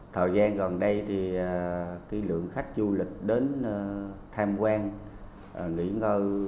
thời gian gần đây thì lượng khách du lịch đến tham quan nghỉ ngơ